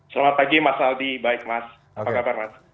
selamat pagi mas aldi baik mas apa kabar mas